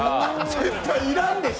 絶対、いらんでしょ！